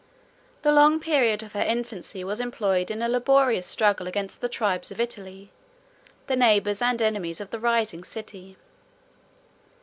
The long period of her infancy was employed in a laborious struggle against the tribes of Italy, the neighbors and enemies of the rising city.